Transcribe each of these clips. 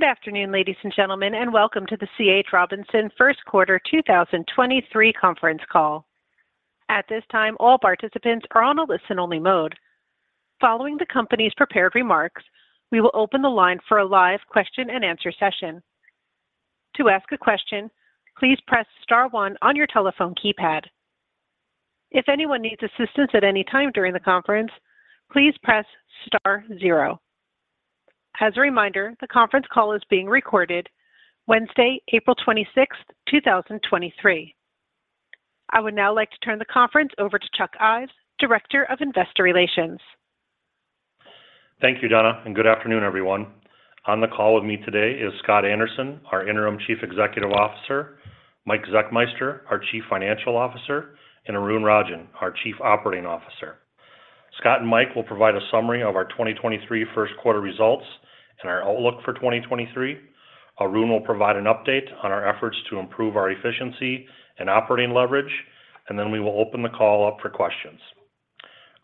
Good afternoon, ladies and gentlemen, welcome to the C.H. Robinson First Quarter 2023 Conference Call. At this time, all participants are on a listen-only mode. Following the company's prepared remarks, we will open the line for a live question-and-answer session. To ask a question, please press star one on your telephone keypad. If anyone needs assistance at any time during the conference, please press star zero. As a reminder, the conference call is being recorded Wednesday, April 26th, 2023. I would now like to turn the conference over to Chuck Ives, Director of Investor Relations. Thank you, Donna. Good afternoon, everyone. On the call with me today is Scott Anderson, our Interim Chief Executive Officer, Mike Zechmeister, our Chief Financial Officer, and Arun Rajan, our Chief Operating Officer. Scott and Mike will provide a summary of our 2023 first quarter results and our outlook for 2023. Arun will provide an update on our efforts to improve our efficiency and operating leverage, and then we will open the call up for questions.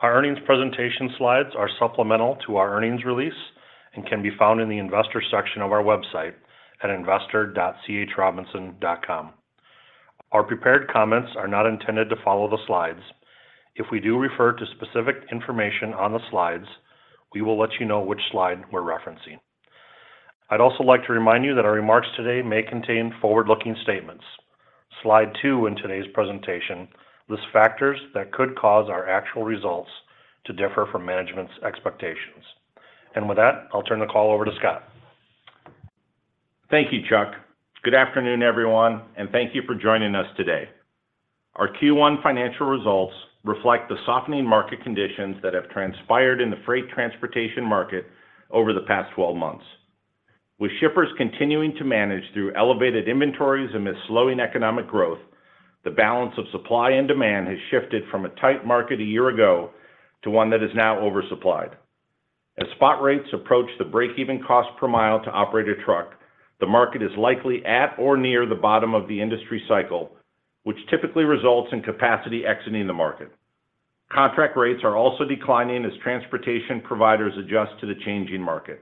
Our earnings presentation slides are supplemental to our earnings release and can be found in the investor section of our website at investor.chrobinson.com. Our prepared comments are not intended to follow the slides. If we do refer to specific information on the slides, we will let you know which slide we're referencing. I'd also like to remind you that our remarks today may contain forward-looking statements. Slide two in today's presentation lists factors that could cause our actual results to differ from management's expectations. With that, I'll turn the call over to Scott. Thank you, Chuck. Good afternoon, everyone, and thank you for joining us today. Our Q1 financial results reflect the softening market conditions that have transpired in the freight transportation market over the past 12 months. With shippers continuing to manage through elevated inventories amidst slowing economic growth, the balance of supply and demand has shifted from a tight market a year ago to one that is now oversupplied. As spot rates approach the breakeven cost per mile to operate a truck, the market is likely at or near the bottom of the industry cycle, which typically results in capacity exiting the market. Contract rates are also declining as transportation providers adjust to the changing market.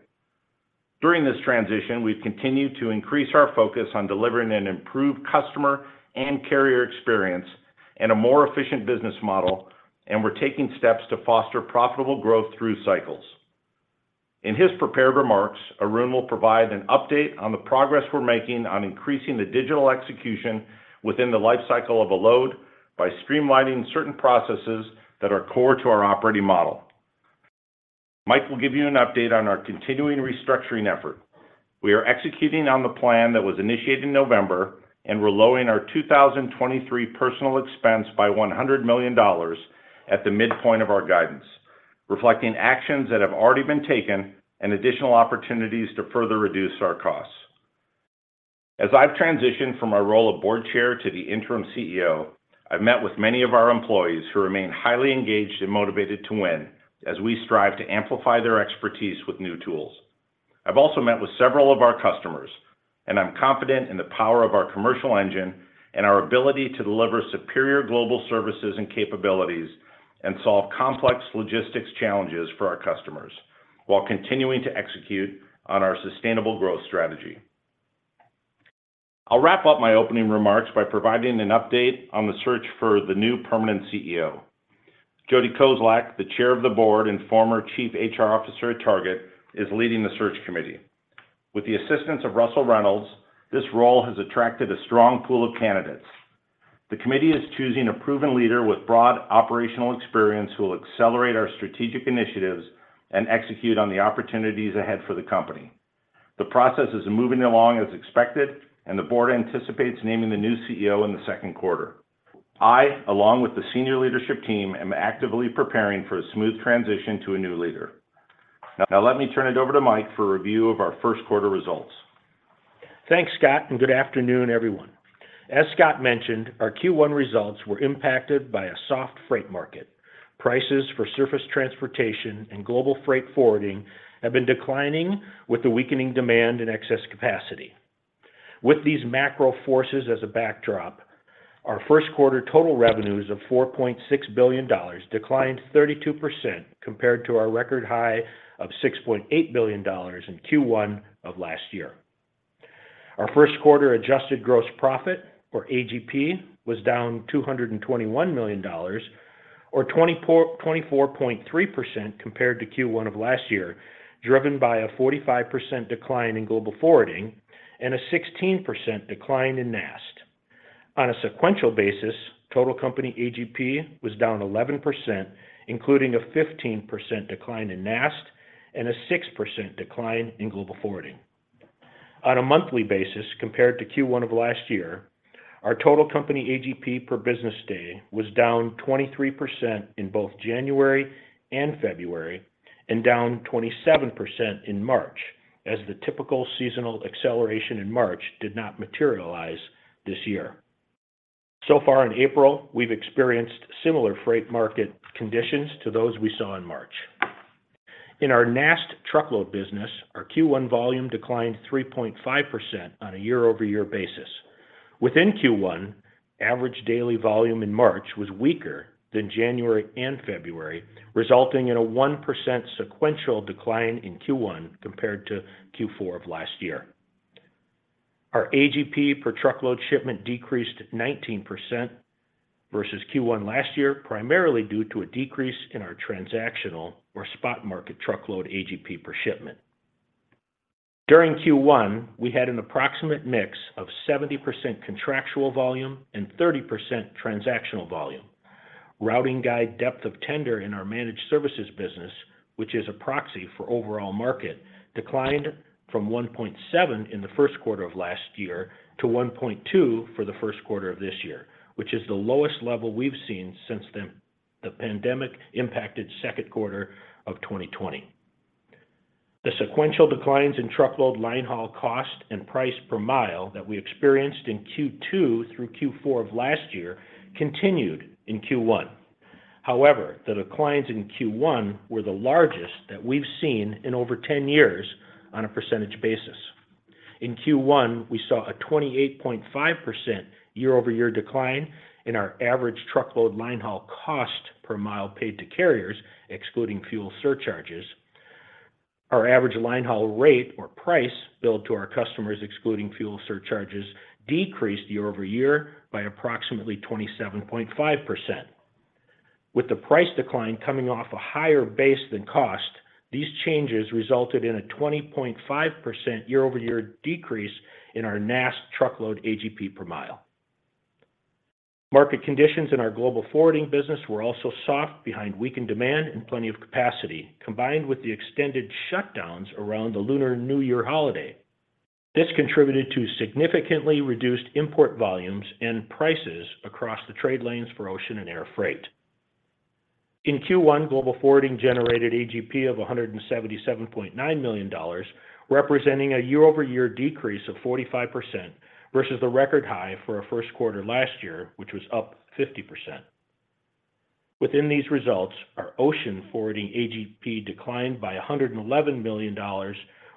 During this transition, we've continued to increase our focus on delivering an improved customer and carrier experience and a more efficient business model, and we're taking steps to foster profitable growth through cycles. In his prepared remarks, Arun will provide an update on the progress we're making on increasing the digital execution within the life cycle of a load by streamlining certain processes that are core to our operating model. Mike will give you an update on our continuing restructuring effort. We are executing on the plan that was initiated in November, and we're lowering our 2023 personal expense by $100 million at the midpoint of our guidance, reflecting actions that have already been taken and additional opportunities to further reduce our costs. As I've transitioned from my role of Board Chair to the Interim CEO, I've met with many of our employees who remain highly engaged and motivated to win as we strive to amplify their expertise with new tools. I've also met with several of our customers, and I'm confident in the power of our commercial engine and our ability to deliver superior global services and capabilities and solve complex logistics challenges for our customers while continuing to execute on our sustainable growth strategy. I'll wrap up my opening remarks by providing an update on the search for the new permanent CEO. Jodee Kozlak, the Chair of the Board and former Chief HR Officer at Target, is leading the search committee. With the assistance of Russell Reynolds, this role has attracted a strong pool of candidates. The committee is choosing a proven leader with broad operational experience who will accelerate our strategic initiatives and execute on the opportunities ahead for the company. The process is moving along as expected, and the board anticipates naming the new CEO in the second quarter. I, along with the senior leadership team, am actively preparing for a smooth transition to a new leader. Let me turn it over to Mike for a review of our first quarter results. Thanks, Scott. Good afternoon, everyone. As Scott mentioned, our Q1 results were impacted by a soft freight market. Prices for surface transportation and global freight forwarding have been declining with the weakening demand and excess capacity. With these macro forces as a backdrop, our first quarter total revenues of $4.6 billion declined 32% compared to our record high of $6.8 billion in Q1 of last year. Our first quarter adjusted gross profit, or AGP, was down $221 million or 24.3% compared to Q1 of last year, driven by a 45% decline in global forwarding and a 16% decline in NAST. On a sequential basis, total company AGP was down 11%, including a 15% decline in NAST and a 6% decline in global forwarding. On a monthly basis compared to Q1 of last year, our total company AGP per business day was down 23% in both January and February and down 27% in March, as the typical seasonal acceleration in March did not materialize this year. Far in April, we've experienced similar freight market conditions to those we saw in March. In our NAST truckload business, our Q1 volume declined 3.5% on a year-over-year basis. Within Q1, average daily volume in March was weaker than January and February, resulting in a 1% sequential decline in Q1 compared to Q4 of last year. Our AGP per truckload shipment decreased 19% versus Q1 last year, primarily due to a decrease in our transactional or spot market truckload AGP per shipment. During Q1, we had an approximate mix of 70% contractual volume and 30% transactional volume. Routing guide depth of tender in our managed services business, which is a proxy for overall market, declined from 1.7 in the first quarter of last year to 1.2 for the first quarter of this year, which is the lowest level we've seen since the pandemic impacted second quarter of 2020. The sequential declines in truckload linehaul cost and price per mile that we experienced in Q2 through Q4 of last year continued in Q1. The declines in Q1 were the largest that we've seen in over 10 years on a percentage basis. In Q1, we saw a 28.5% year-over-year decline in our average truckload linehaul cost per mile paid to carriers, excluding fuel surcharges. Our average linehaul rate or price billed to our customers, excluding fuel surcharges, decreased year-over-year by approximately 27.5%. With the price decline coming off a higher base than cost, these changes resulted in a 20.5% year-over-year decrease in our NAST truckload AGP per mile. Market conditions in our global forwarding business were also soft behind weakened demand and plenty of capacity, combined with the extended shutdowns around the Lunar New Year holiday. This contributed to significantly reduced import volumes and prices across the trade lanes for ocean and air freight. In Q1, global forwarding generated AGP of $177.9 million, representing a year-over-year decrease of 45% versus the record high for our first quarter last year, which was up 50%. Within these results, our ocean forwarding AGP declined by $111 million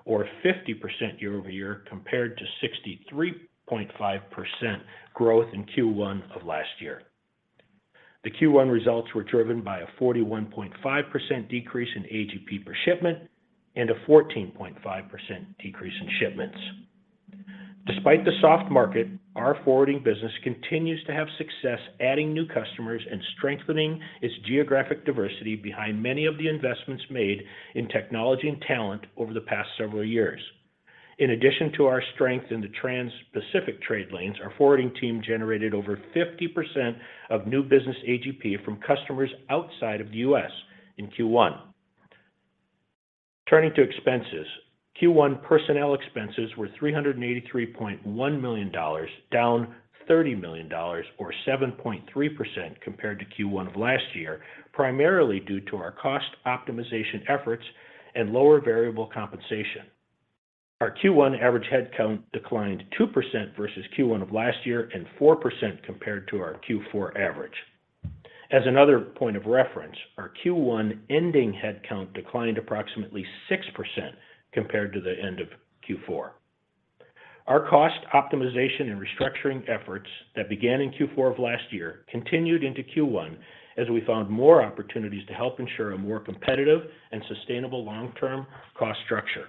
or 50% year-over-year compared to 63.5% growth in Q1 of last year. The Q1 results were driven by a 41.5% decrease in AGP per shipment and a 14.5% decrease in shipments. Despite the soft market, our forwarding business continues to have success adding new customers and strengthening its geographic diversity behind many of the investments made in technology and talent over the past several years. In addition to our strength in the Trans-Pacific trade lanes, our forwarding team generated over 50% of new business AGP from customers outside of the U.S. in Q1. Turning to expenses, Q1 personnel expenses were $383.1 million, down $30 million or 7.3% compared to Q1 of last year, primarily due to our cost optimization efforts and lower variable compensation. Our Q1 average headcount declined 2% versus Q1 of last year and 4% compared to our Q4 average. Another point of reference, our Q1 ending headcount declined approximately 6% compared to the end of Q4. Our cost optimization and restructuring efforts that began in Q4 of last year continued into Q1 as we found more opportunities to help ensure a more competitive and sustainable long-term cost structure.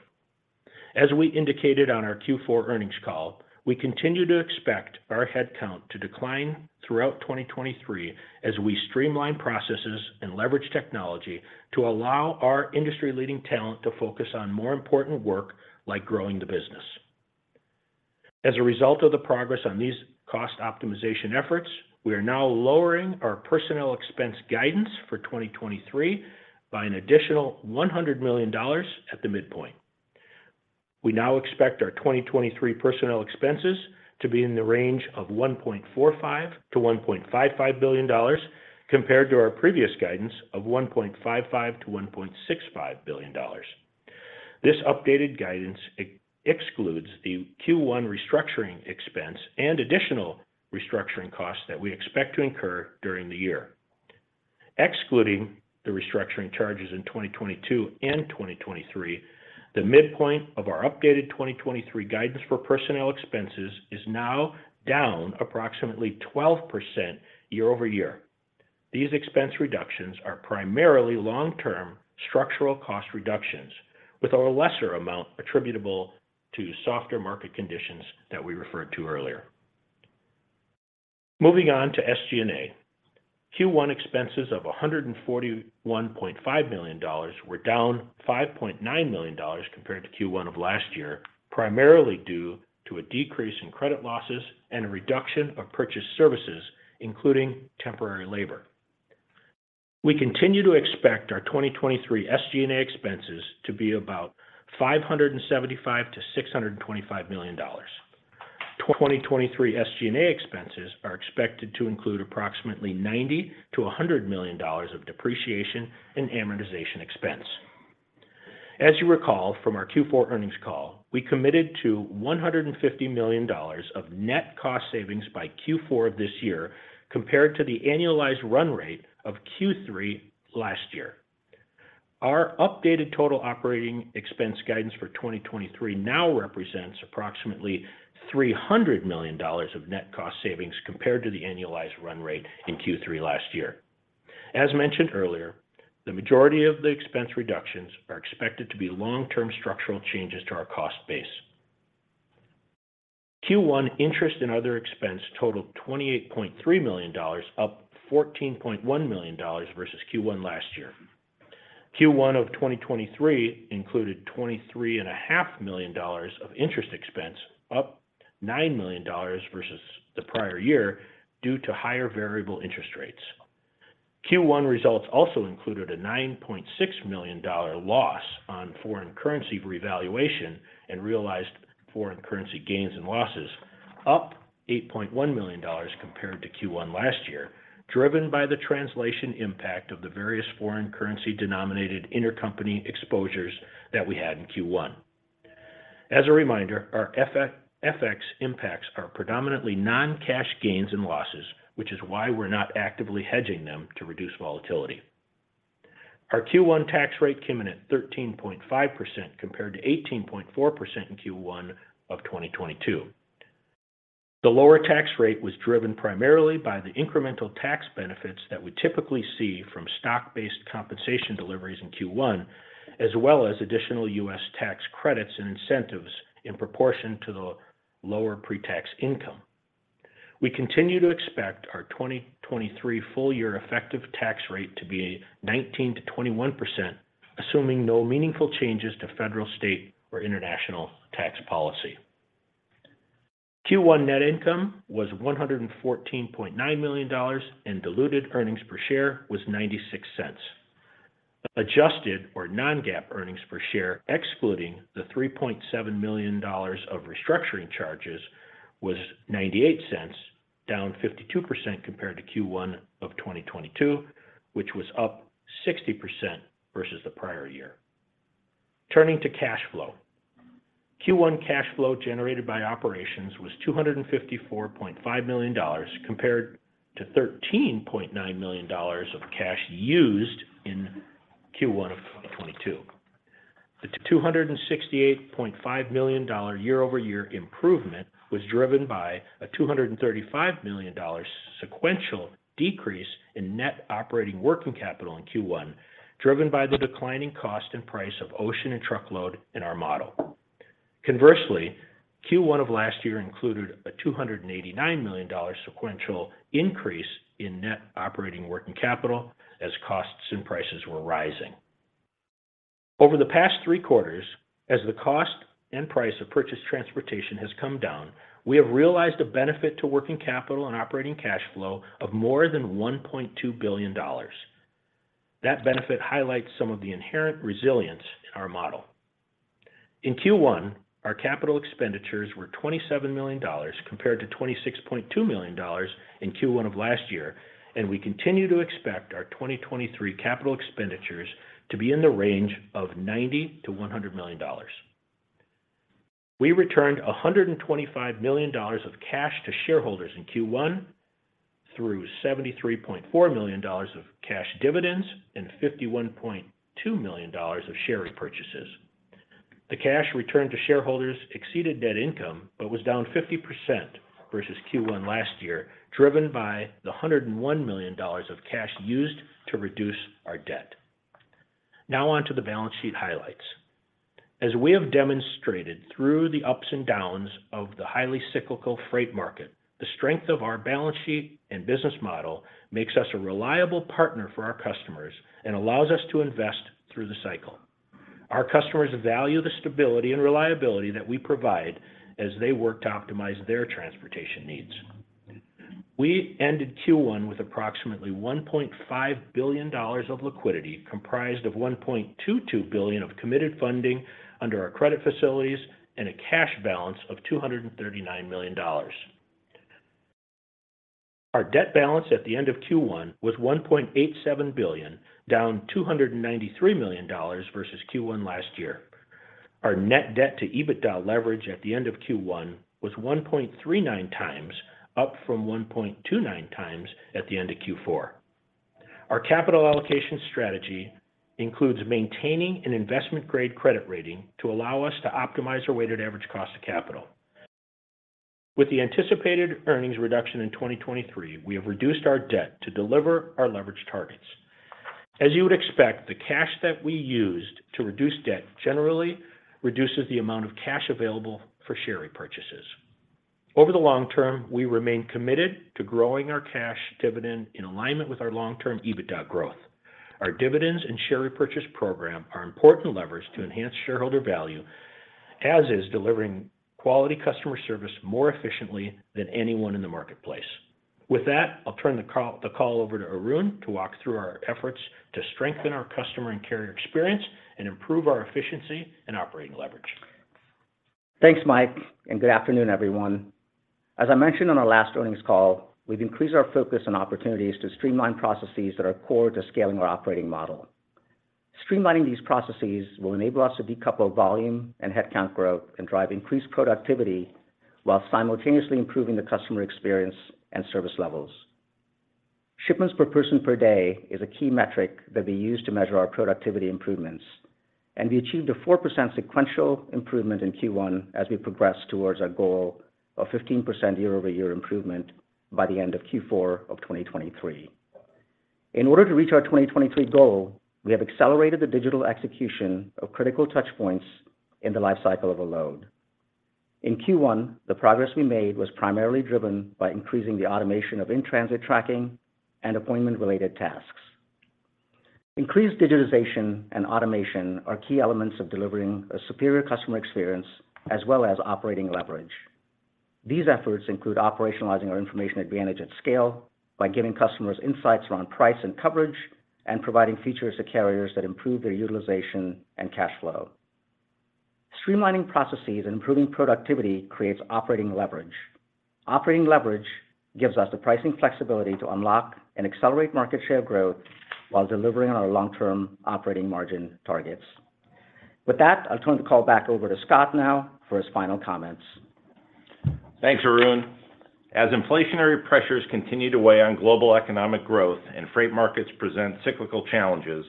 We indicated on our Q4 earnings call, we continue to expect our headcount to decline throughout 2023 as we streamline processes and leverage technology to allow our industry leading talent to focus on more important work like growing the business. A result of the progress on these cost optimization efforts, we are now lowering our personnel expense guidance for 2023 by an additional $100 million at the midpoint. We now expect our 2023 personnel expenses to be in the range of $1.45 billion-$1.55 billion compared to our previous guidance of $1.55 billion-$1.65 billion. This updated guidance excludes the Q1 restructuring expense and additional restructuring costs that we expect to incur during the year. Excluding the restructuring charges in 2022 and 2023, the midpoint of our updated 2023 guidance for personnel expenses is now down approximately 12% year-over-year. These expense reductions are primarily long-term structural cost reductions, with a lesser amount attributable to softer market conditions that we referred to earlier. Moving on to SG&A. Q1 expenses of $141.5 million were down $5.9 million compared to Q1 of last year, primarily due to a decrease in credit losses and a reduction of purchased services, including temporary labor. We continue to expect our 2023 SG&A expenses to be about $575 million-$625 million. 2023 SG&A expenses are expected to include approximately $90 million-$100 million of depreciation and amortization expense. As you recall from our Q4 earnings call, we committed to $150 million of net cost savings by Q4 of this year compared to the annualized run rate of Q3 last year. Our updated total operating expense guidance for 2023 now represents approximately $300 million of net cost savings compared to the annualized run rate in Q3 last year. As mentioned earlier, the majority of the expense reductions are expected to be long-term structural changes to our cost base. Q1 interest and other expense totaled $28.3 million, up $14.1 million versus Q1 last year. Q1 of 2023 included $23.5 million of interest expense, up $9 million versus the prior year due to higher variable interest rates. Q1 results also included a $9.6 million loss on foreign currency revaluation and realized foreign currency gains and losses, up $8.1 million compared to Q1 last year, driven by the translation impact of the various foreign currency denominated intercompany exposures that we had in Q1. As a reminder, our FX impacts are predominantly non-cash gains and losses, which is why we're not actively hedging them to reduce volatility. Our Q1 tax rate came in at 13.5% compared to 18.4% in Q1 of 2022. The lower tax rate was driven primarily by the incremental tax benefits that we typically see from stock-based compensation deliveries in Q1, as well as additional U.S. tax credits and incentives in proportion to the lower pre-tax income. We continue to expect our 2023 full year effective tax rate to be 19%-21%, assuming no meaningful changes to federal, state, or international tax policy. Q1 net income was $114.9 million, and diluted earnings per share was $0.96. Adjusted or non-GAAP earnings per share, excluding the $3.7 million of restructuring charges, was $0.98, down 52% compared to Q1 of 2022, which was up 60% versus the prior year. Turning to cash flow. Q1 cash flow generated by operations was $254.5 million compared to $13.9 million of cash used in Q1 of 2022. The $268.5 million year-over-year improvement was driven by a $235 million sequential decrease in net operating working capital in Q1, driven by the declining cost and price of ocean and truckload in our model. Conversely, Q1 of last year included a $289 million sequential increase in net operating working capital as costs and prices were rising. Over the past three quarters, as the cost and price of purchase transportation has come down, we have realized a benefit to working capital and operating cash flow of more than $1.2 billion. That benefit highlights some of the inherent resilience in our model. In Q1, our capital expenditures were $27 million compared to $26.2 million in Q1 of last year. We continue to expect our 2023 capital expenditures to be in the range of $90 million-$100 million. We returned $125 million of cash to shareholders in Q1 through $73.4 million of cash dividends and $51.2 million of share repurchases. The cash returned to shareholders exceeded net income, was down 50% versus Q1 last year, driven by the $101 million of cash used to reduce our debt. On to the balance sheet highlights. As we have demonstrated through the ups and downs of the highly cyclical freight market, the strength of our balance sheet and business model makes us a reliable partner for our customers and allows us to invest through the cycle. Our customers value the stability and reliability that we provide as they work to optimize their transportation needs. We ended Q1 with approximately $1.5 billion of liquidity, comprised of $1.22 billion of committed funding under our credit facilities and a cash balance of $239 million. Our debt balance at the end of Q1 was $1.87 billion, down $293 million versus Q1 last year. Our net debt to EBITDA leverage at the end of Q1 was 1.39x, up from 1.29x at the end of Q4. Our capital allocation strategy includes maintaining an investment-grade credit rating to allow us to optimize our weighted average cost of capital. With the anticipated earnings reduction in 2023, we have reduced our debt to deliver our leverage targets. As you would expect, the cash that we used to reduce debt generally reduces the amount of cash available for share repurchases. Over the long term, we remain committed to growing our cash dividend in alignment with our long-term EBITDA growth. Our dividends and share repurchase program are important levers to enhance shareholder value, as is delivering quality customer service more efficiently than anyone in the marketplace. I'll turn the call over to Arun to walk through our efforts to strengthen our customer and carrier experience and improve our efficiency and operating leverage. Thanks, Mike. Good afternoon, everyone. As I mentioned on our last earnings call, we've increased our focus on opportunities to streamline processes that are core to scaling our operating model. Streamlining these processes will enable us to decouple volume and headcount growth and drive increased productivity while simultaneously improving the customer experience and service levels. Shipments per person per day is a key metric that we use to measure our productivity improvements. We achieved a 4% sequential improvement in Q1 as we progress towards our goal of 15% year-over-year improvement by the end of Q4 of 2023. In order to reach our 2023 goal, we have accelerated the digital execution of critical touch points in the life cycle of a load. In Q1, the progress we made was primarily driven by increasing the automation of in-transit tracking and appointment-related tasks. Increased digitization and automation are key elements of delivering a superior customer experience as well as operating leverage. These efforts include operationalizing our information advantage at scale by giving customers insights around price and coverage and providing features to carriers that improve their utilization and cash flow. Streamlining processes and improving productivity creates operating leverage. Operating leverage gives us the pricing flexibility to unlock and accelerate market share growth while delivering on our long-term operating margin targets. With that, I'll turn the call back over to Scott now for his final comments. Thanks, Arun. As inflationary pressures continue to weigh on global economic growth and freight markets present cyclical challenges,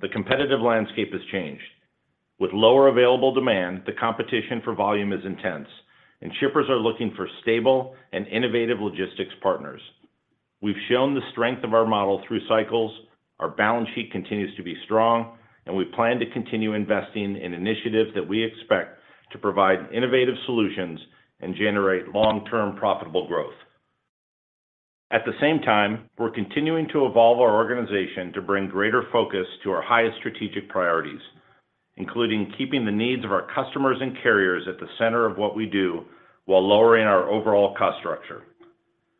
the competitive landscape has changed. With lower available demand, the competition for volume is intense, and shippers are looking for stable and innovative logistics partners. We've shown the strength of our model through cycles. Our balance sheet continues to be strong, and we plan to continue investing in initiatives that we expect to provide innovative solutions and generate long-term profitable growth. At the same time, we're continuing to evolve our organization to bring greater focus to our highest strategic priorities, including keeping the needs of our customers and carriers at the center of what we do while lowering our overall cost structure.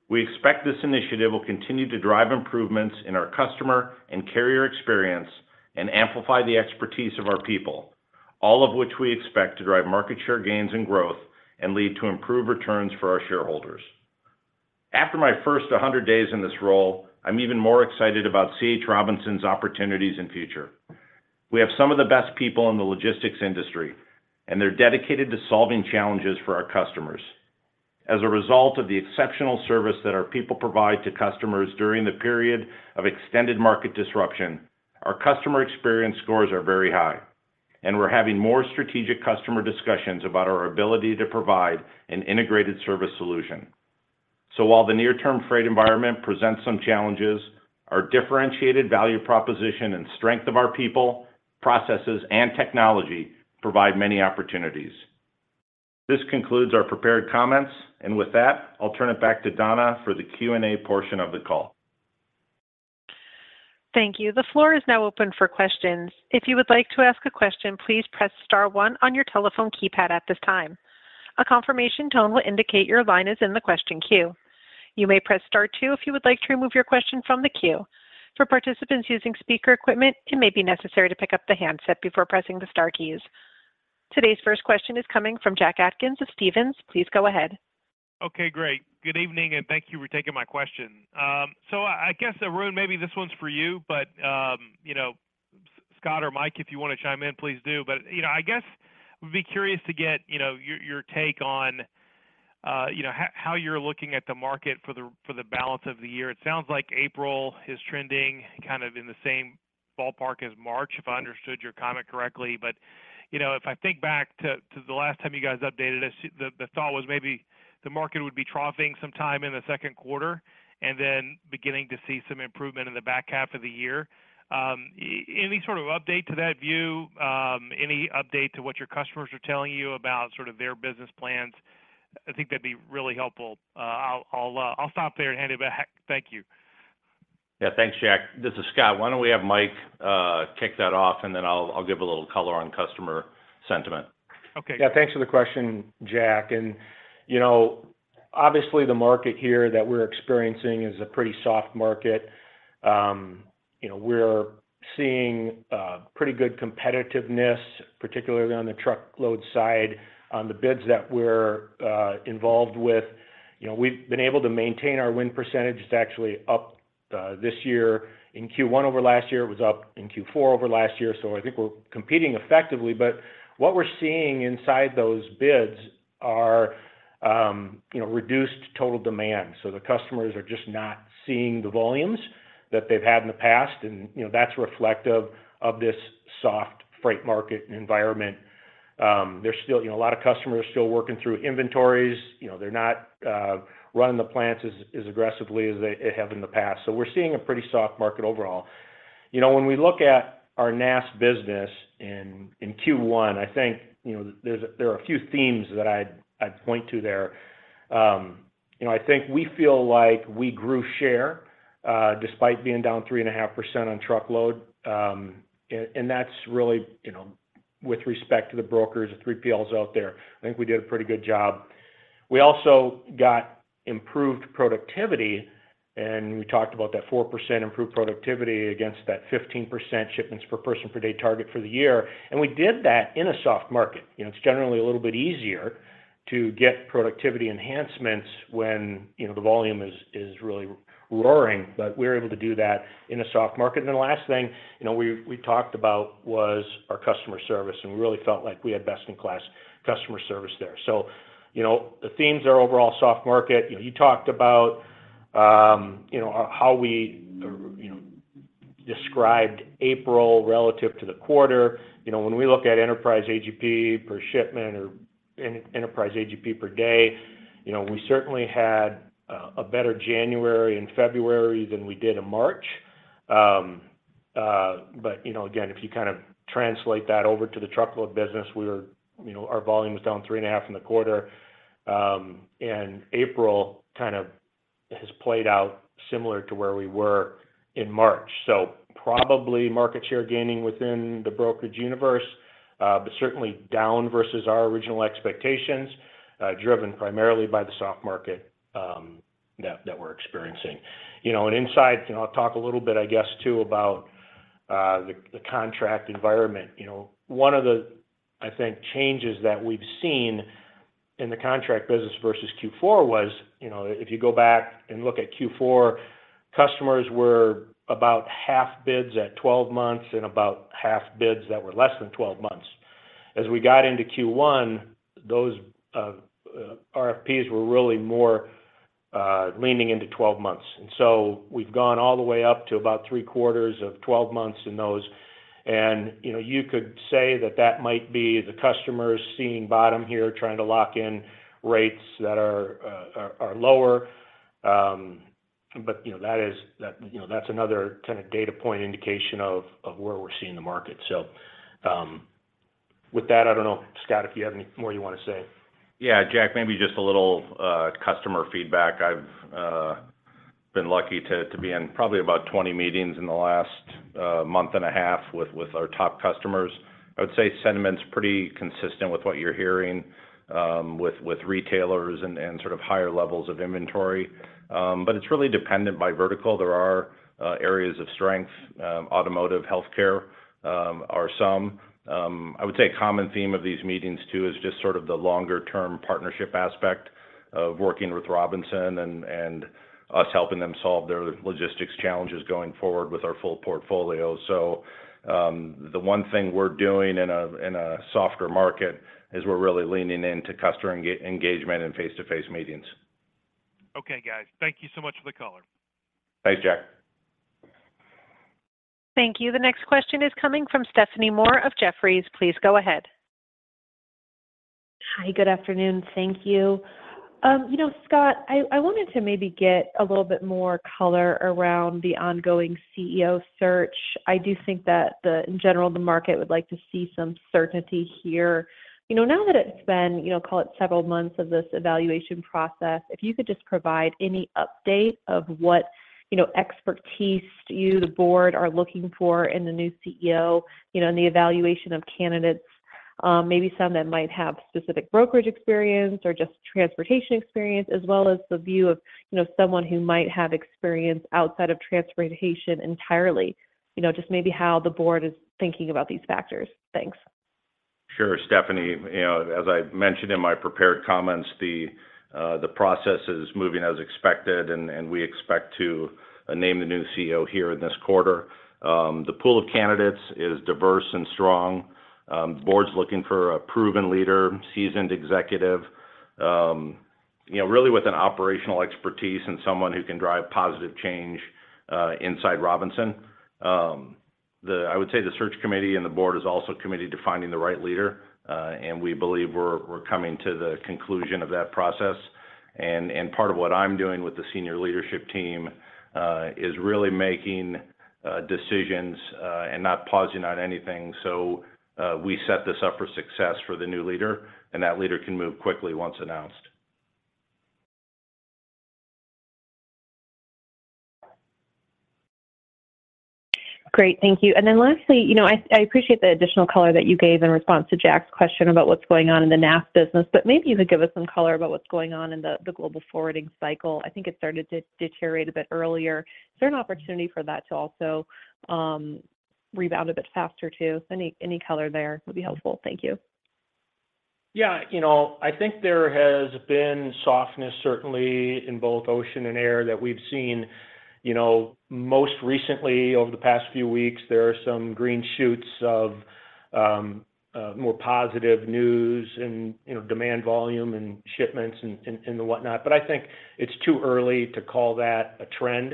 We expect this initiative will continue to drive improvements in our customer and carrier experience and amplify the expertise of our people, all of which we expect to drive market share gains and growth and lead to improved returns for our shareholders. After my first 100 days in this role, I'm even more excited about C.H. Robinson's opportunities and future. We have some of the best people in the logistics industry, and they're dedicated to solving challenges for our customers. As a result of the exceptional service that our people provide to customers during the period of extended market disruption, our customer experience scores are very high, and we're having more strategic customer discussions about our ability to provide an integrated service solution. While the near-term freight environment presents some challenges, our differentiated value proposition and strength of our people, processes, and technology provide many opportunities. This concludes our prepared comments. With that, I'll turn it back to Donna for the Q&A portion of the call. Thank you. The floor is now open for questions. If you would like to ask a question, please press star one on your telephone keypad at this time. A confirmation tone will indicate your line is in the question queue. You may press star two if you would like to remove your question from the queue. For participants using speaker equipment, it may be necessary to pick up the handset before pressing the star keys. Today's first question is coming from Jack Atkins of Stephens. Please go ahead. Okay, great. Good evening, and thank you for taking my question. I guess, Arun, maybe this one's for you, but, you know, Scott or Mike, if you want to chime in, please do. You know, I guess, would be curious to get, you know, your take on, you know, how you're looking at the market for the balance of the year. It sounds like April is trending kind of in the same ballpark as March, if I understood your comment correctly. You know, if I think back to the last time you guys updated us, the thought was maybe the market would be troughing sometime in the second quarter and then beginning to see some improvement in the back half of the year. Any sort of update to that view? Any update to what your customers are telling you about sort of their business plans? I think that'd be really helpful. I'll stop there and hand it back. Thank you. Yeah. Thanks, Jack. This is Scott. Why don't we have Mike kick that off, and then I'll give a little color on customer sentiment. Okay. Yeah. Thanks for the question, Jack. You know, obviously, the market here that we're experiencing is a pretty soft market. You know, we're seeing pretty good competitiveness, particularly on the truckload side on the bids that we're involved with. You know, we've been able to maintain our win percentage. It's actually up this year in Q1 over last year. It was up in Q4 over last year. I think we're competing effectively. What we're seeing inside those bids are, you know, reduced total demand. The customers are just not seeing the volumes that they've had in the past. You know, that's reflective of this soft freight market environment. There's still, you know, a lot of customers still working through inventories. You know, they're not running the plants as aggressively as they have in the past. We're seeing a pretty soft market overall. You know, when we look at our NAST business in Q1, I think, you know, there are a few themes that I'd point to there. You know, I think we feel like we grew share, despite being down 3.5% on truckload. That's really, you know, with respect to the brokers, the 3PLs out there. I think we did a pretty good job. We also got improved productivity, and we talked about that 4% improved productivity against that 15% shipments per person per day target for the year. We did that in a soft market. You know, it's generally a little bit easier to get productivity enhancements when, you know, the volume is really roaring. We're able to do that in a soft market. The last thing, you know, we talked about was our customer service, and we really felt like we had best-in-class customer service there. You know, the themes are overall soft market. You know, you talked about, you know, how we. Described April relative to the quarter. You know, when we look at enterprise AGP per shipment or enterprise AGP per day, you know, we certainly had a better January and February than we did in March. You know, again, if you kind of translate that over to the truckload business, we were, you know, our volume was down 3.5% in the quarter. April kind of has played out similar to where we were in March. Probably market share gaining within the brokerage universe, but certainly down versus our original expectations, driven primarily by the soft market that we're experiencing. You know, and inside, you know, I'll talk a little bit, I guess, too, about the contract environment. You know, one of the, I think, changes that we've seen in the contract business versus Q4 was, you know, if you go back and look at Q4, customers were about half bids at 12 months and about half bids that were less than 12 months. As we got into Q1, those RFPs were really more leaning into 12 months. We've gone all the way up to about three-quarters of 12 months in those. You know, you could say that that might be the customers seeing bottom here, trying to lock in rates that are lower. You know, that is, you know, that's another kind of data point indication of where we're seeing the market. With that, I don't know, Scott, if you have any more you want to say. Jack, maybe just a little customer feedback. I've been lucky to be in probably about 20 meetings in the last month and a half with our top customers. I would say sentiment's pretty consistent with what you're hearing, with retailers and sort of higher levels of inventory. But it's really dependent by vertical. There are areas of strength, automotive, healthcare, are some. I would say a common theme of these meetings, too, is just sort of the longer-term partnership aspect of working with Robinson and us helping them solve their logistics challenges going forward with our full portfolio. The one thing we're doing in a, in a softer market is we're really leaning into customer engagement and face-to-face meetings. Okay, guys. Thank you so much for the color. Thanks, Jack. Thank you. The next question is coming from Stephanie Moore of Jefferies. Please go ahead. Hi, good afternoon. Thank you. You know, Scott, I wanted to maybe get a little bit more color around the ongoing CEO search. I do think that in general, the market would like to see some certainty here. You know, now that it's been, you know, call it several months of this evaluation process, if you could just provide any update of what, you know, expertise you, the board, are looking for in the new CEO, you know, in the evaluation of candidates, maybe some that might have specific brokerage experience or just transportation experience, as well as the view of, you know, someone who might have experience outside of transportation entirely. You know, just maybe how the board is thinking about these factors. Thanks. Sure, Stephanie. You know, as I mentioned in my prepared comments, the process is moving as expected, and we expect to name the new CEO here in this quarter. The pool of candidates is diverse and strong. The board's looking for a proven leader, seasoned executive, you know, really with an operational expertise and someone who can drive positive change inside Robinson. I would say the search committee and the board is also committed to finding the right leader, and we believe we're coming to the conclusion of that process. Part of what I'm doing with the senior leadership team is really making decisions and not pausing on anything. We set this up for success for the new leader, and that leader can move quickly once announced. Great. Thank you. Then lastly, you know, I appreciate the additional color that you gave in response to Jack's question about what's going on in the NAS business, but maybe you could give us some color about what's going on in the global forwarding cycle. I think it started to deteriorate a bit earlier. Is there an opportunity for that to also rebound a bit faster too? Any, any color there would be helpful. Thank you. Yeah. You know, I think there has been softness certainly in both ocean and air that we've seen. You know, most recently over the past few weeks, there are some green shoots of more positive news and, you know, demand volume and shipments and the whatnot. I think it's too early to call that a trend.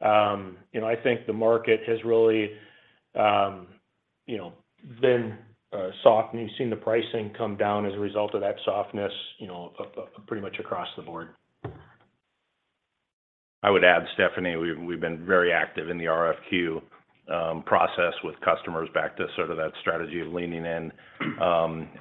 You know, I think the market has really, you know, been soft, and you've seen the pricing come down as a result of that softness, you know, pretty much across the board. I would add, Stephanie, we've been very active in the RFQ, process with customers back to sort of that strategy of leaning in.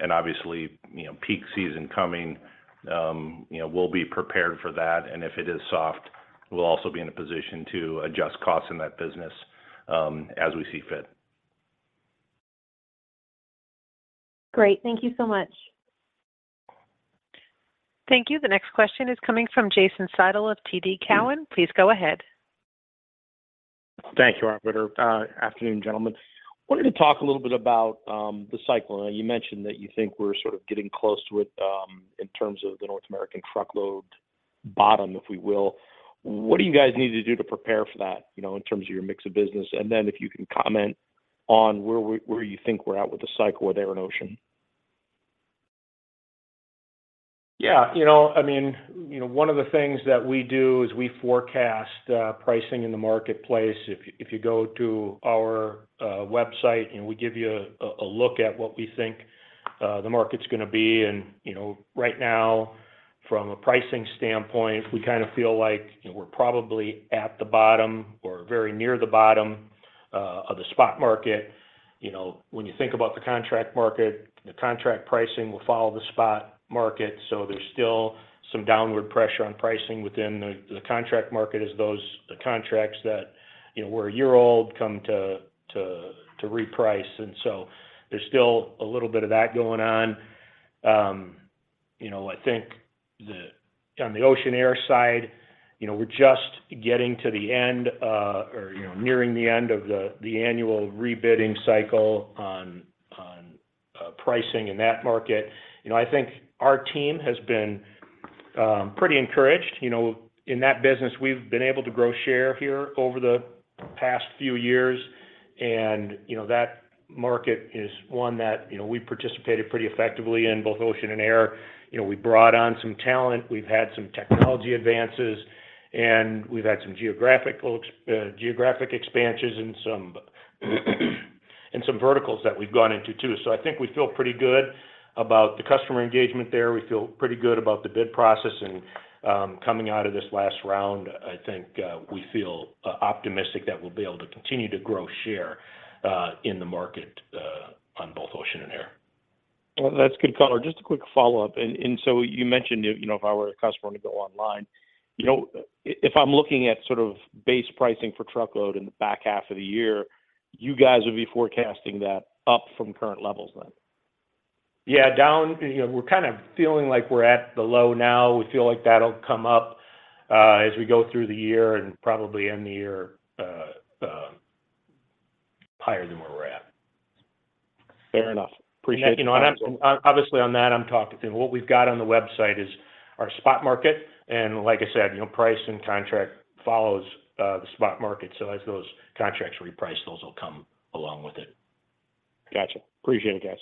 Obviously, you know, peak season coming, you know, we'll be prepared for that, and if it is soft, we'll also be in a position to adjust costs in that business, as we see fit. Great. Thank you so much. Thank you. The next question is coming from Jason Seidl of TD Cowen. Please go ahead. Thank you, operator. Afternoon, gentlemen. Wanted to talk a little bit about the cycle. Now, you mentioned that you think we're sort of getting close to it in terms of the North American truckload bottom, if we will. What do you guys need to do to prepare for that, you know, in terms of your mix of business? Then if you can comment on where you think we're at with the cycle with air and ocean. Yeah, you know, I mean, you know, one of the things that we do is we forecast pricing in the marketplace. If you go to our website and we give you a look at what we think the market's gonna be, you know, right now from a pricing standpoint, we kind of feel like we're probably at the bottom or very near the bottom of the spot market. You know, when you think about the contract market, the contract pricing will follow the spot market. There's still some downward pressure on pricing within the contract market as those contracts that, you know, were 1 year old come to reprice. There's still a little bit of that going on. You know, I think on the ocean air side, you know, we're just getting to the end, or, you know, nearing the end of the annual rebidding cycle on pricing in that market. You know, I think our team has been pretty encouraged. You know, in that business, we've been able to grow share here over the past few years. You know, that market is one that, you know, we participated pretty effectively in both ocean and air. You know, we brought on some talent. We've had some technology advances, and we've had some geographic expansions and some verticals that we've gone into too. I think we feel pretty good about the customer engagement there. We feel pretty good about the bid process. Coming out of this last round, I think, we feel optimistic that we'll be able to continue to grow share, in the market, on both ocean and air. Well, that's good color. Just a quick follow-up. You mentioned, you know, if I'm looking at sort of base pricing for truckload in the back half of the year, you guys would be forecasting that up from current levels then? Yeah. Down, you know, we're kind of feeling like we're at the low now. We feel like that'll come up, as we go through the year and probably end the year, higher than where we're at. Fair enough. Appreciate it. You know, obviously, on that, I'm talking to what we've got on the website is our spot market. Like I said, you know, price and contract follows the spot market. As those contracts reprice, those will come along with it. Gotcha. Appreciate it, guys.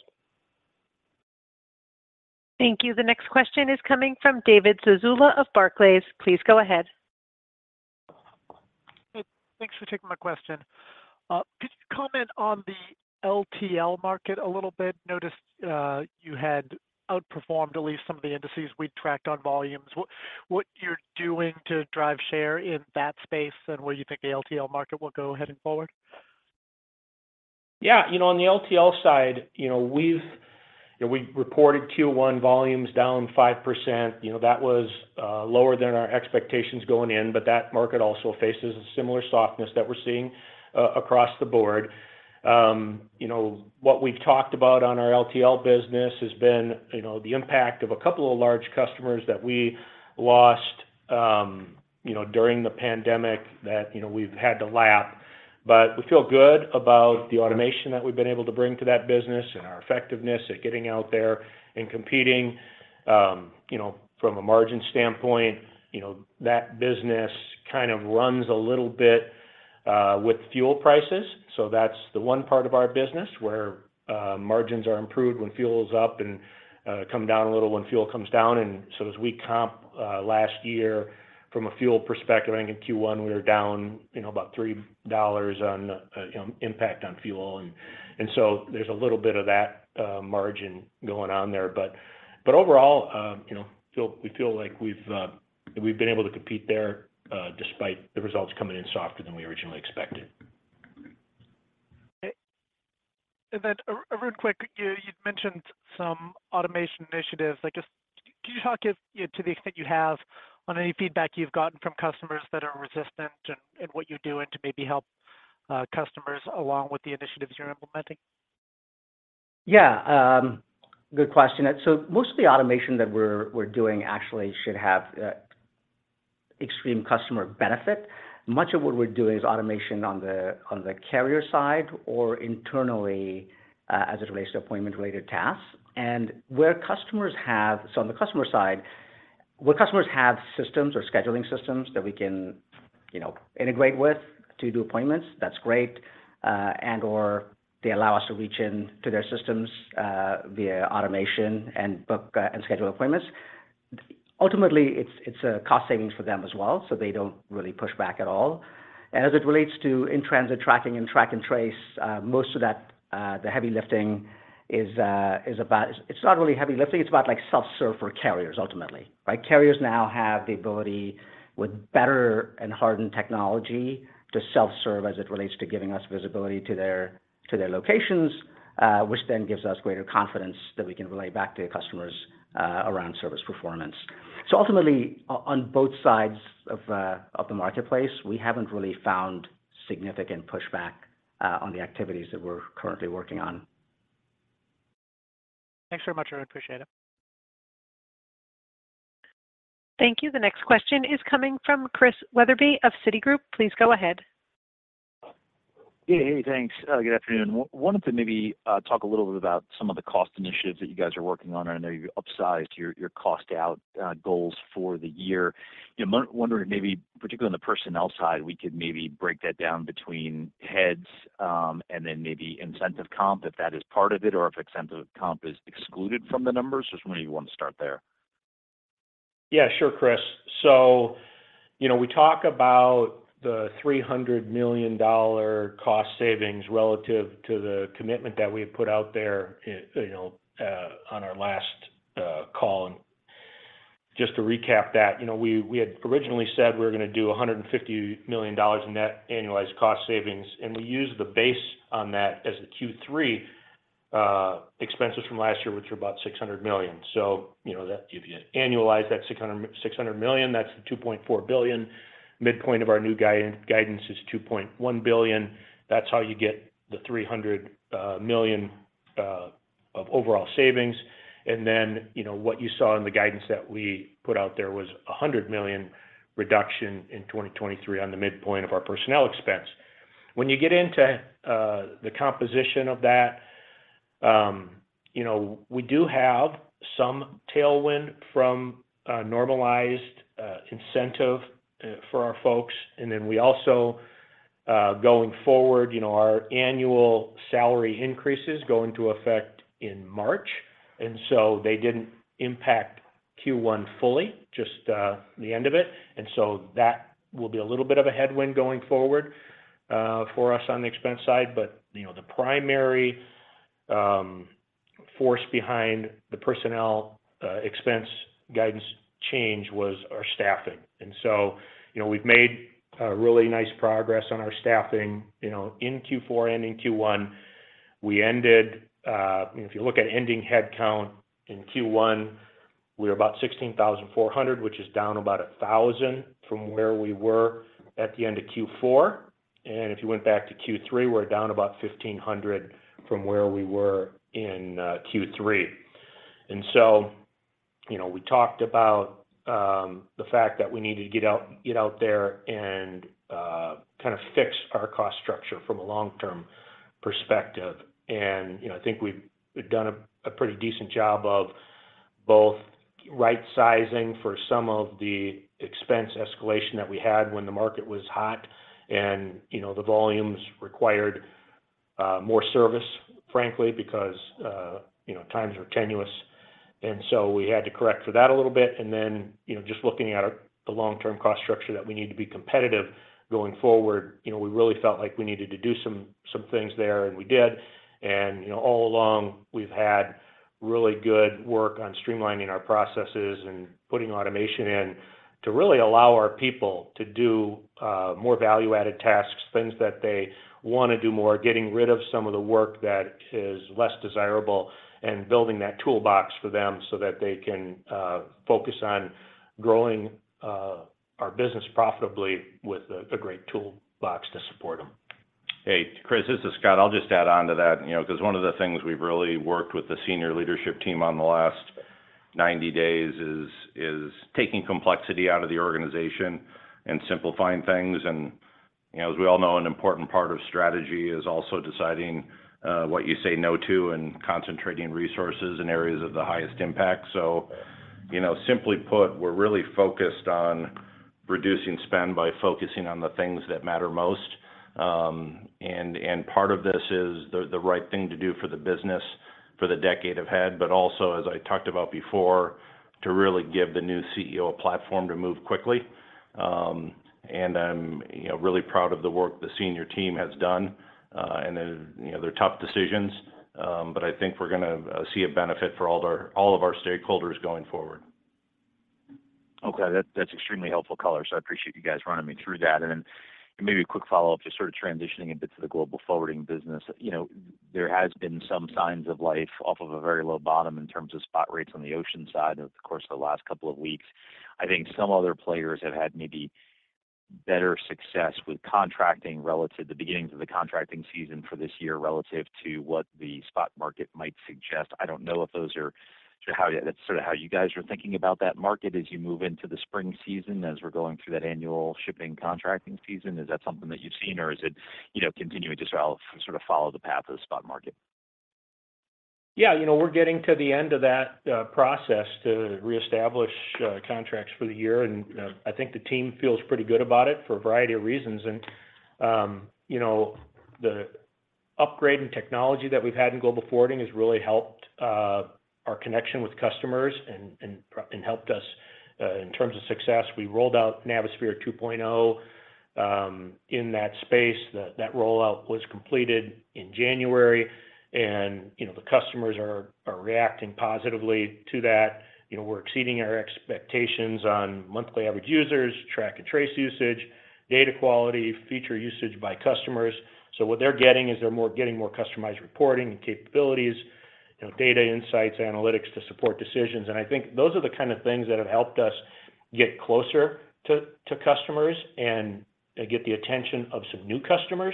Thank you. The next question is coming from David Zazula of Barclays. Please go ahead. Thanks for taking my question. Could you comment on the LTL market a little bit? Noticed, you had outperformed at least some of the indices we'd tracked on volumes. What, what you're doing to drive share in that space, and where you think the LTL market will go heading forward? Yeah. You know, on the LTL side, you know, we've, you know, we reported Q1 volumes down 5%. That was lower than our expectations going in, but that market also faces a similar softness that we're seeing across the board. What we've talked about on our LTL business has been, you know, the impact of a couple of large customers that we lost, you know, during the pandemic that, you know, we've had to lap. We feel good about the automation that we've been able to bring to that business and our effectiveness at getting out there and competing. From a margin standpoint, you know, that business kind of runs a little bit with fuel prices. That's the one part of our business where margins are improved when fuel is up and come down a little when fuel comes down. As we comp last year from a fuel perspective, I think in Q1 we were down, you know, about $3 on, you know, impact on fuel. There's a little bit of that margin going on there. Overall, you know, we feel like we've been able to compete there, despite the results coming in softer than we originally expected. Okay. real quick, you'd mentioned some automation initiatives. I guess, could you talk if, you know, to the extent you have on any feedback you've gotten from customers that are resistant and what you're doing to maybe help customers along with the initiatives you're implementing? Yeah. Good question. Most of the automation that we're doing actually should have extreme customer benefit. Much of what we're doing is automation on the, on the carrier side or internally, as it relates to appointment-related tasks. So on the customer side, where customers have systems or scheduling systems that we can, you know, integrate with to do appointments, that's great. Or they allow us to reach in to their systems, via automation and book, and schedule appointments. Ultimately, it's a cost savings for them as well, so they don't really push back at all. As it relates to in-transit tracking and track and trace, most of that, the heavy lifting is, it's not really heavy lifting. It's about, like, self-serve for carriers ultimately, right? Carriers now have the ability with better and hardened technology to self-serve as it relates to giving us visibility to their, to their locations, which then gives us greater confidence that we can relay back to customers, around service performance. Ultimately, on both sides of the marketplace, we haven't really found significant pushback, on the activities that we're currently working on. Thanks very much. I appreciate it. Thank you. The next question is coming from Chris Wetherbee of Citigroup. Please go ahead. Yeah. Hey, thanks. Good afternoon. wanted to maybe talk a little bit about some of the cost initiatives that you guys are working on. I know you've upsized your cost out goals for the year. You know, I'm wondering if maybe, particularly on the personnel side, we could maybe break that down between heads, and then maybe incentive comp, if that is part of it, or if incentive comp is excluded from the numbers. Just wondering if you want to start there. Sure, Chris. You know, we talk about the $300 million cost savings relative to the commitment that we had put out there, you know, on our last call. Just to recap that, you know, we had originally said we're gonna do $150 million in net annualized cost savings, and we use the base on that as the Q3 expenses from last year, which were about $600 million. You know, that if you annualize that $600 million, that's the $2.4 billion. Midpoint of our new guidance is $2.1 billion. That's how you get the $300 million of overall savings. You know, what you saw in the guidance that we put out there was a $100 million reduction in 2023 on the midpoint of our personnel expense. When you get into the composition of that, you know, we do have some tailwind from a normalized incentive for our folks. We also, going forward, you know, our annual salary increases go into effect in March, they didn't impact Q1 fully, just the end of it. That will be a little bit of a headwind going forward for us on the expense side. You know, the primary force behind the personnel expense guidance change was our staffing. You know, we've made really nice progress on our staffing. You know, in Q4 ending Q1, we ended, if you look at ending headcount in Q1, we're about 16,400, which is down about 1,000 from where we were at the end of Q4. If you went back to Q3, we're down about 1,500 from where we were in Q3. You know, we talked about the fact that we needed to get out there and kind of fix our cost structure from a long-term perspective. You know, I think we've done a pretty decent job of both right-sizing for some of the expense escalation that we had when the market was hot and, you know, the volumes required more service, frankly, because, you know, times were tenuous. We had to correct for that a little bit. You know, just looking at our, the long-term cost structure that we need to be competitive going forward, you know, we really felt like we needed to do some things there, and we did. You know, all along, we've had really good work on streamlining our processes and putting automation in to really allow our people to do more value-added tasks, things that they wanna do more, getting rid of some of the work that is less desirable, and building that toolbox for them so that they can focus on growing our business profitably with a great toolbox to support them. Hey, Chris, this is Scott. I'll just add on to that, you know, 'cause one of the things we've really worked with the senior leadership team on the last 90 days is taking complexity out of the organization and simplifying things. You know, as we all know, an important part of strategy is also deciding what you say no to and concentrating resources in areas of the highest impact. You know, simply put, we're really focused on reducing spend by focusing on the things that matter most. Part of this is the right thing to do for the business for the decade ahead, but also, as I talked about before, to really give the new CEO a platform to move quickly. I'm, you know, really proud of the work the senior team has done. They're, you know, they're tough decisions, but I think we're gonna see a benefit for all of our stakeholders going forward. Okay. That's extremely helpful color, I appreciate you guys running me through that. Maybe a quick follow-up, just sort of transitioning a bit to the global forwarding business. You know, there has been some signs of life off of a very low bottom in terms of spot rates on the ocean side over the course of the last couple of weeks. I think some other players have had maybe better success with contracting relative to the beginnings of the contracting season for this year relative to what the spot market might suggest. I don't know if that's sort of how you guys are thinking about that market as you move into the spring season, as we're going through that annual shipping contracting season. Is that something that you've seen, or is it, you know, continuing to sort of follow the path of the spot market? Yeah. You know, we're getting to the end of that process to reestablish contracts for the year, I think the team feels pretty good about it for a variety of reasons. You know, the upgrade in technology that we've had in global forwarding has really helped our connection with customers and helped us in terms of success. We rolled out Navisphere 2.0 in that space. That rollout was completed in January, you know, the customers are reacting positively to that. You know, we're exceeding our expectations on monthly average users, track and trace usage, data quality, feature usage by customers. What they're getting is getting more customized reporting and capabilities, you know, data insights, analytics to support decisions. I think those are the kind of things that have helped us get closer to customers and get the attention of some new customers.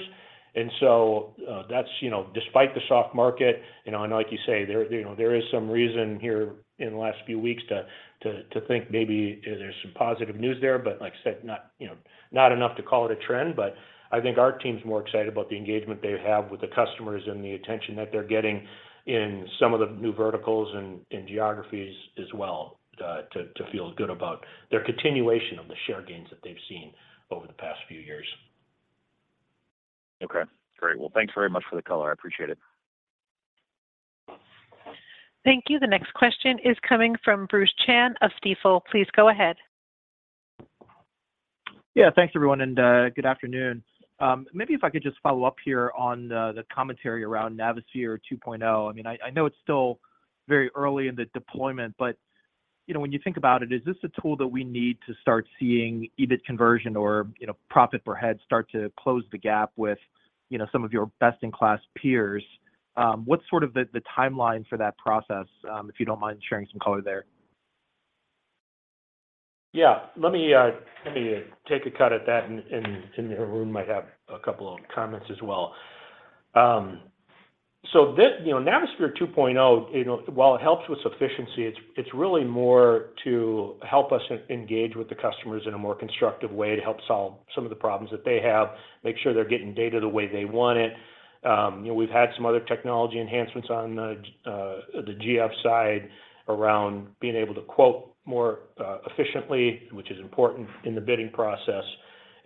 That's, you know, despite the soft market, you know, and like you say, there, you know, there is some reason here in the last few weeks to think maybe there's some positive news there. Like I said, not, you know, not enough to call it a trend. I think our team's more excited about the engagement they have with the customers and the attention that they're getting in some of the new verticals and geographies as well to feel good about their continuation of the share gains that they've seen over the past few years. Okay, great. Thanks very much for the color. I appreciate it. Thank you. The next question is coming from Bruce Chan of Stifel. Please go ahead. Yeah. Thanks everyone, good afternoon. Maybe if I could just follow up here on the commentary around Navisphere 2.0. I mean, I know it's still very early in the deployment, but, you know, when you think about it, is this a tool that we need to start seeing EBIT conversion or, you know, profit per head start to close the gap with, you know, some of your best in class peers? What's sort of the timeline for that process, if you don't mind sharing some color there? Yeah. Let me, let me take a cut at that and Arun might have a couple of comments as well. You know, Navisphere 2.0, you know, while it helps with efficiency, it's really more to help us engage with the customers in a more constructive way to help solve some of the problems that they have, make sure they're getting data the way they want it. You know, we've had some other technology enhancements on the GF side around being able to quote more efficiently, which is important in the bidding process.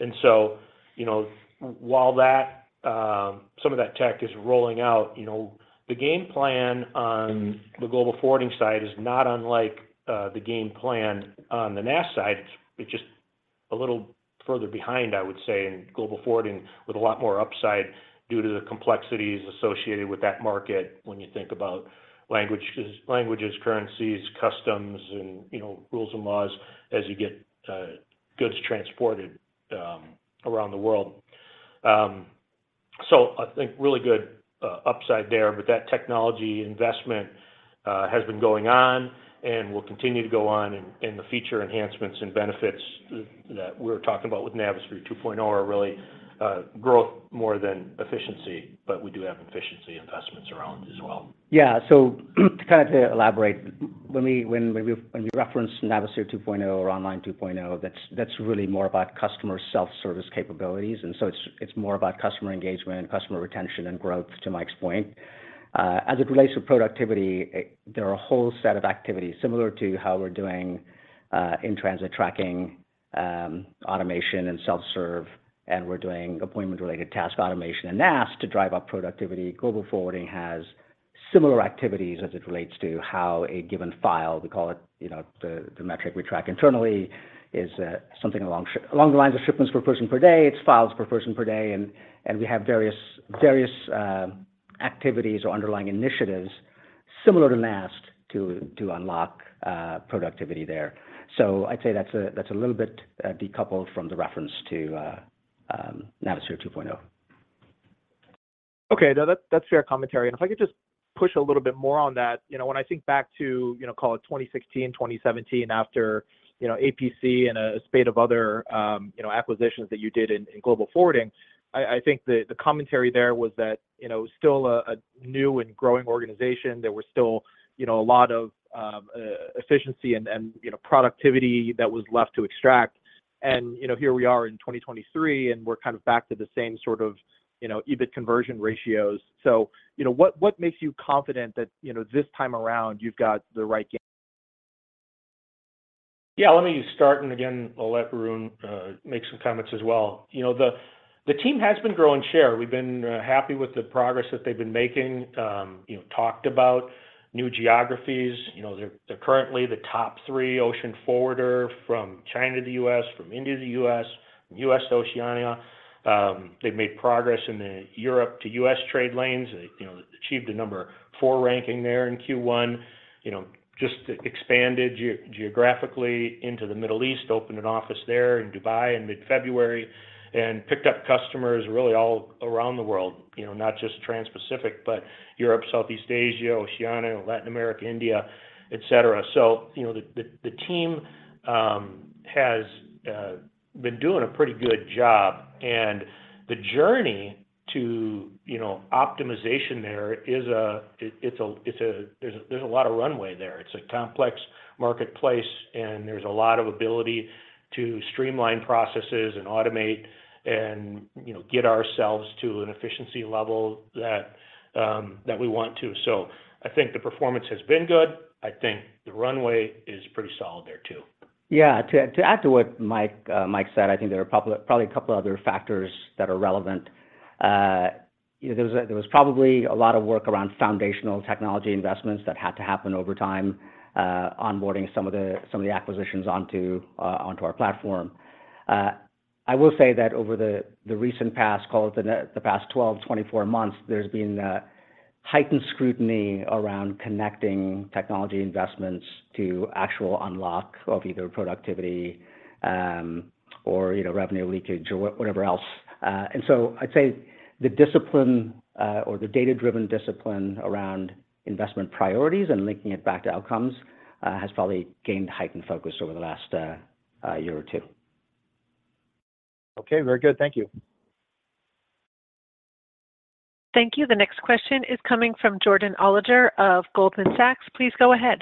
You know, while that, some of that tech is rolling out, you know, the game plan on the global forwarding side is not unlike the game plan on the NAST side. It's just a little further behind, I would say, in global forwarding with a lot more upside due to the complexities associated with that market when you think about languages, currencies, customs, and, you know, rules and laws as you get goods transported around the world. I think really good upside there, but that technology investment has been going on and will continue to go on in the feature enhancements and benefits that we're talking about with Navisphere 2.0 are really growth more than efficiency, but we do have efficiency investments around as well. Yeah. To kind of elaborate, when we reference Navisphere 2.0 or Online 2.0, that's really more about customer self-service capabilities, it's more about customer engagement, customer retention, and growth, to Mike's point. As it relates to productivity, there are a whole set of activities similar to how we're doing in-transit tracking, automation, and self-serve, and we're doing appointment-related task automation in NAST to drive up productivity. Global forwarding has similar activities as it relates to how a given file, we call it, you know, the metric we track internally is something along the lines of shipments per person per day. It's files per person per day, and we have various activities or underlying initiatives similar to NAST to unlock productivity there. I'd say that's a little bit, decoupled from the reference to, Navisphere 2.0. Okay. No, that's fair commentary. If I could just push a little bit more on that. You know, when I think back to, you know, call it 2016, 2017 after, you know, APC and a spate of other, you know, acquisitions that you did in global forwarding, I think the commentary there was that, you know, still a new and growing organization. There were still, you know, a lot of efficiency and, you know, productivity that was left to extract. You know, here we are in 2023, and we're kind of back to the same sort of, you know, EBIT conversion ratios. You know, what makes you confident that, you know, this time around you've got the right game. Yeah. Let me start. Again, I'll let Arun make some comments as well. You know, the team has been growing share. We've been happy with the progress that they've been making. You know, talked about new geographies. You know, they're currently the top three ocean forwarder from China to the U.S., from India to the U.S., from U.S. to Oceania. They've made progress in the Europe to U.S. trade lanes. They, you know, achieved a number four ranking there in Q1. You know, just expanded geographically into the Middle East, opened an office there in Dubai in mid-February, and picked up customers really all around the world. You know, not just Transpacific, but Europe, Southeast Asia, Oceania, Latin America, India, etc. You know, the team has been doing a pretty good job. The journey to, you know, optimization there there's a lot of runway there. It's a complex marketplace, and there's a lot of ability to streamline processes and automate and, you know, get ourselves to an efficiency level that we want to. I think the performance has been good. I think the runway is pretty solid there too. Yeah. To add to what Mike said, I think there are probably couple other factors that are relevant. You know, there was probably a lot of work around foundational technology investments that had to happen over time, onboarding some of the acquisitions onto our platform. I will say that over the recent past, call it the past 12, 24 months, there's been a heightened scrutiny around connecting technology investments to actual unlock of either productivity, or, you know, revenue leakage or whatever else. I'd say the discipline, or the data-driven discipline around investment priorities and linking it back to outcomes, has probably gained heightened focus over the last a year or two. Very good. Thank you. Thank you. The next question is coming from Jordan Alliger of Goldman Sachs. Please go ahead.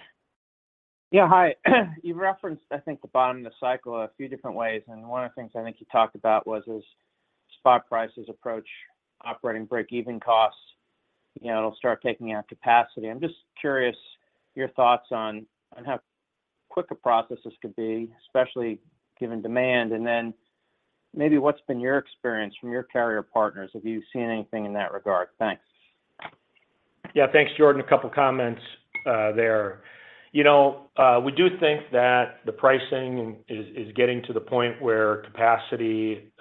Yeah. Hi. You referenced, I think, the bottom of the cycle a few different ways. One of the things I think you talked about was as spot prices approach operating break-even costs You know, it'll start taking out capacity. I'm just curious your thoughts on how quick a process this could be, especially given demand. maybe what's been your experience from your carrier partners? Have you seen anything in that regard? Thanks. Yeah. Thanks, Jordan. A couple comments, there. You know, we do think that the pricing is getting to the point where capacity,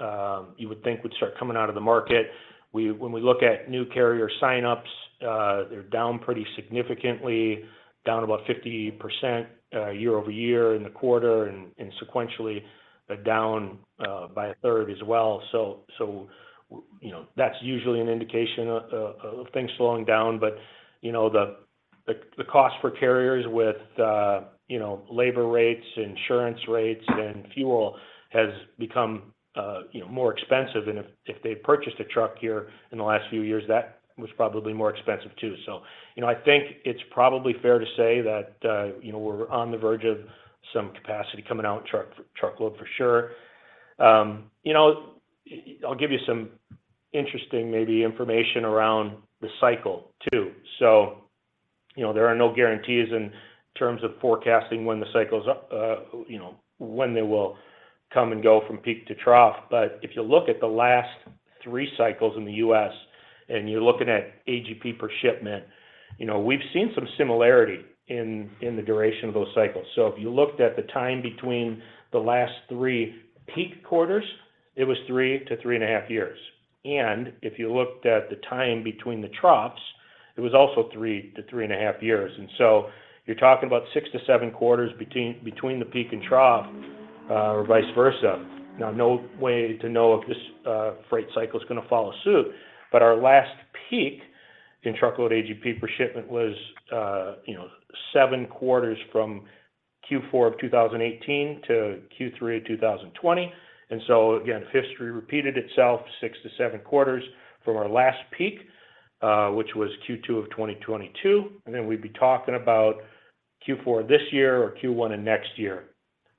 you would think would start coming out of the market. When we look at new carrier sign-ups, they're down pretty significantly, down about 50%, year-over-year in the quarter and sequentially down by a third as well. You know, that's usually an indication of things slowing down. You know, the cost for carriers with, you know, labor rates, insurance rates, and fuel has become, you know, more expensive. If they purchased a truck here in the last few years, that was probably more expensive too. You know, I think it's probably fair to say that, you know, we're on the verge of some capacity coming out in truckload, for sure. You know, I'll give you some interesting maybe information around the cycle too. You know, there are no guarantees in terms of forecasting when the cycle's up, you know, when they will come and go from peak to trough. If you look at the last three cycles in the U.S., and you're looking at AGP per shipment, you know, we've seen some similarity in the duration of those cycles. If you looked at the time between the last three peak quarters, it was three to three and a half years. If you looked at the time between the troughs, it was also three to three and a half years. You're talking about six to seven quarters between the peak and trough, or vice versa. No way to know if this freight cycle is gonna follow suit. Our last peak in truckload AGP per shipment was, you know, seven quarters from Q4 of 2018 to Q3 of 2020. Again, history repeated itself six to seven quarters from our last peak, which was Q2 of 2022. We'd be talking about Q4 this year or Q1 of next year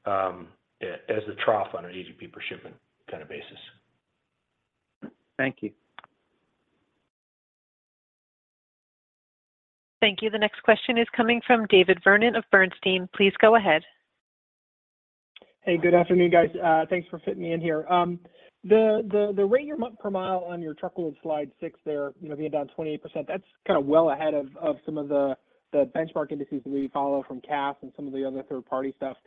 as the trough on an AGP per shipment kind of basis. Thank you. Thank you. The next question is coming from David Vernon of Bernstein. Please go ahead. Hey, good afternoon, guys. Thanks for fitting me in here. The rate year month per mile on your truckload slide six there, you know, being down 28%, that's kind of well ahead of some of the benchmark indices that we follow from Cass and some of the other third-party stuff.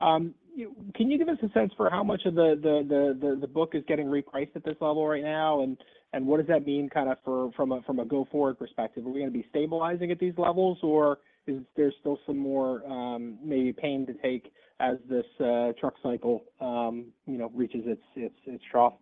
Can you give us a sense for how much of the book is getting repriced at this level right now? What does that mean kind of from a go-forward perspective? Are we gonna be stabilizing at these levels, or is there still some more, maybe pain to take as this truck cycle, you know, reaches its trough?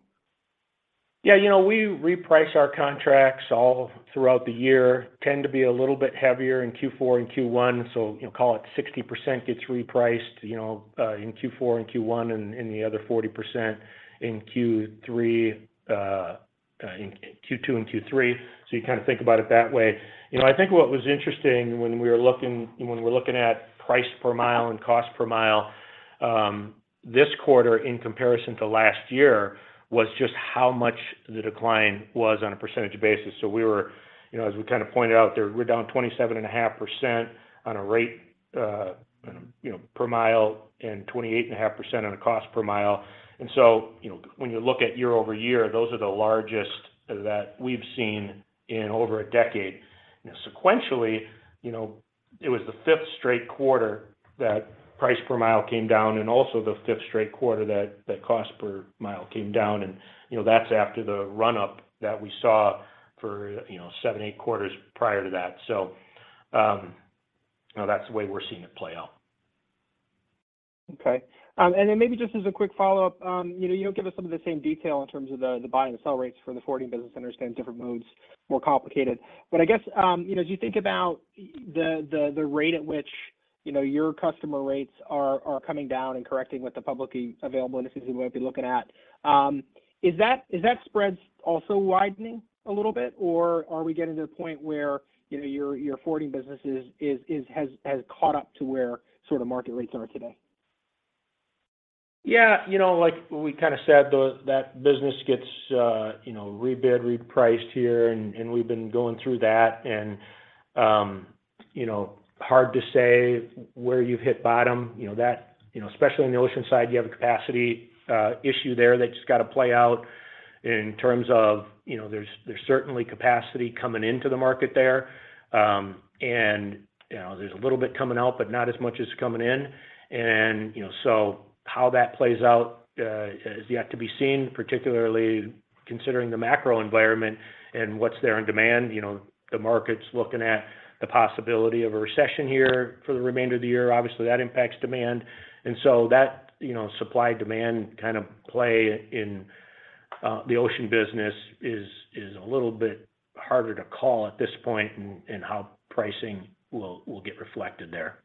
You know, we reprice our contracts all throughout the year. Tend to be a little bit heavier in Q4 and Q1. You know, call it 60% gets repriced, you know, in Q4 and Q1 and the other 40% in Q3, in Q2 and Q3. You kind of think about it that way. You know, I think what was interesting when we're looking at price per mile and cost per mile, this quarter in comparison to last year was just how much the decline was on a percentage basis. We were, you know, as we kind of pointed out there, we're down 27.5% on a rate, you know, per mile and 28.5% on a cost per mile. You know, when you look at year-over-year, those are the largest that we've seen in over a decade. Sequentially, you know, it was the fifth straight quarter that price per mile came down and also the fifth straight quarter that cost per mile came down. You know, that's after the run-up that we saw for, you know, seven, eight quarters prior to that. You know, that's the way we're seeing it play out. Okay. Maybe just as a quick follow-up, you know, you don't give us some of the same detail in terms of the buy and the sell rates for the forwarding business. I understand different modes, more complicated. I guess, you know, as you think about the, the rate at which, you know, your customer rates are coming down and correcting with the publicly available indices we might be looking at, is that, is that spread also widening a little bit, or are we getting to the point where, you know, your forwarding business has caught up to where sort of market rates are today? Yeah. You know, like we kind of said, that business gets, you know, rebid, repriced here and we've been going through that and, you know, hard to say where you've hit bottom. You know, that, you know, especially on the ocean side, you have a capacity issue there that's got to play out in terms of, you know, there's certainly capacity coming into the market there. You know, there's a little bit coming out, but not as much as coming in. You know, so how that plays out is yet to be seen, particularly considering the macro environment and what's there in demand. You know, the market's looking at the possibility of a recession here for the remainder of the year. Obviously, that impacts demand. That, you know, supply-demand kind of play in the ocean business is a little bit harder to call at this point in how pricing will get reflected there.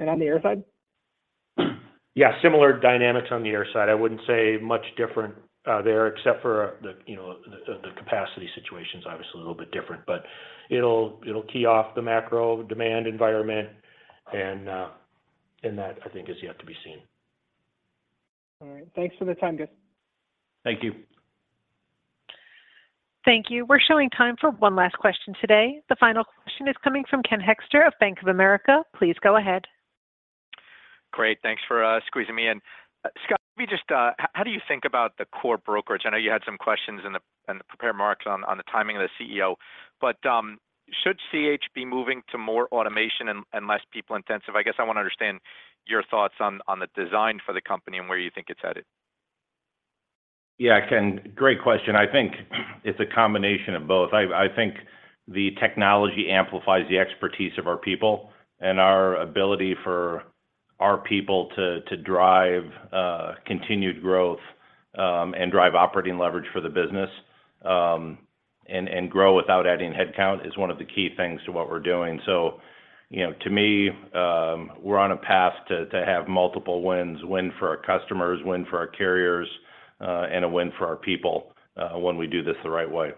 On the air side? Yeah, similar dynamics on the air side. I wouldn't say much different, there, except for the, you know, the capacity situation's obviously a little bit different. It'll, it'll key off the macro demand environment and that, I think, is yet to be seen. All right. Thanks for the time, guys. Thank you. Thank you. We're showing time for one last question today. The final question is coming from Ken Hoexter of Bank of America. Please go ahead. Great. Thanks for squeezing me in. Scott, let me just how do you think about the core brokerage? I know you had some questions in the, in the prepared remarks on the timing of the CEO. Should C.H. be moving to more automation and less people intensive? I guess I wanna understand your thoughts on the design for the company and where you think it's headed. Yeah, Ken, great question. I think it's a combination of both. I think the technology amplifies the expertise of our people and our ability for our people to drive continued growth, and drive operating leverage for the business, and grow without adding headcount is one of the key things to what we're doing. You know, to me, we're on a path to have multiple wins. Win for our customers, win for our carriers, and a win for our people, when we do this the right way.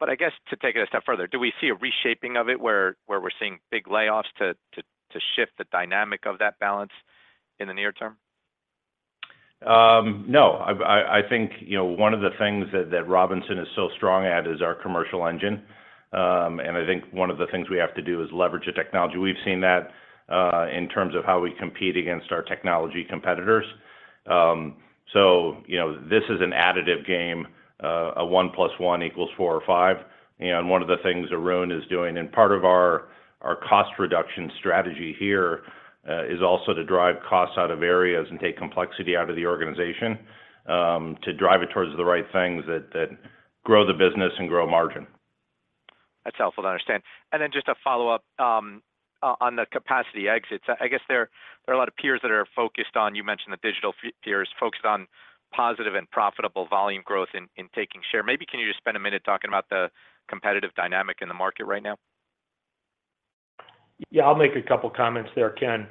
I guess to take it a step further, do we see a reshaping of it where we're seeing big layoffs to shift the dynamic of that balance in the near term? No. I think, you know, one of the things that Robinson is so strong at is our commercial engine. I think one of the things we have to do is leverage the technology. We've seen that in terms of how we compete against our technology competitors. You know, this is an additive game, a one plus one equals four or five. One of the things Arun is doing, and part of our cost reduction strategy here, is also to drive costs out of areas and take complexity out of the organization, to drive it towards the right things that grow the business and grow margin. That's helpful to understand. Just a follow-up on the capacity exits. I guess there are a lot of peers that are focused on, you mentioned the digital peers, focused on positive and profitable volume growth in taking share. Maybe can you just spend a minute talking about the competitive dynamic in the market right now? I'll make a couple comments there, Ken.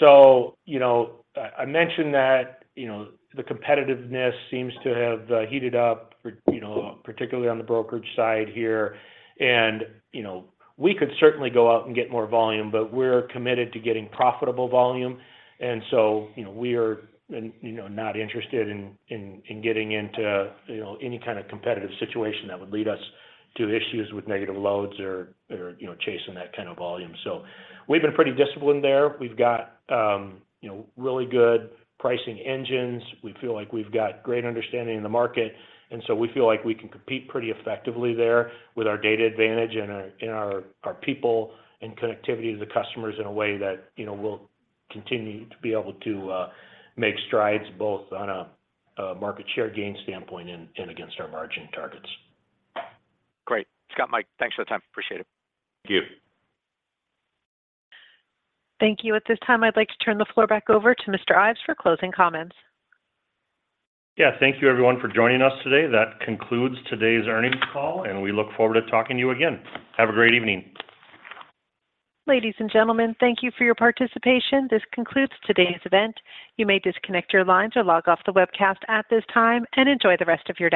You know, I mentioned that, you know, the competitiveness seems to have heated up for, you know, particularly on the brokerage side here. You know, we could certainly go out and get more volume, but we're committed to getting profitable volume. You know, we are, and you know, not interested in getting into, you know, any kind of competitive situation that would lead us to issues with negative loads or, you know, chasing that kind of volume. We've been pretty disciplined there. We've got, you know, really good pricing engines. We feel like we've got great understanding of the market, and so we feel like we can compete pretty effectively there with our data advantage and our people and connectivity to the customers in a way that, you know, will continue to be able to make strides both on a market share gain standpoint and against our margin targets. Great. Scott, Mike, thanks for the time. Appreciate it. Thank you. Thank you. At this time, I'd like to turn the floor back over to Mr. Ives for closing comments. Yeah. Thank you everyone for joining us today. That concludes today's earnings call, and we look forward to talking to you again. Have a great evening. Ladies and gentlemen, thank you for your participation. This concludes today's event. You may disconnect your lines or log off the webcast at this time, and enjoy the rest of your day.